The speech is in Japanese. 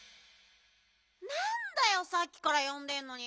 なんだよさっきからよんでんのに。